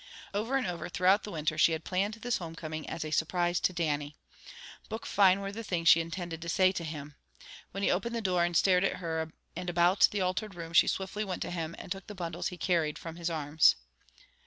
Over and over, throughout the winter, she had planned this home coming as a surprise to Dannie. Book fine were the things she intended to say to him. When he opened the door, and stared at her and about the altered room, she swiftly went to him, and took the bundles he carried from his arms.